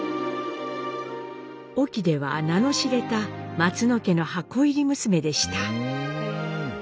隠岐では名の知れた松野家の箱入り娘でした。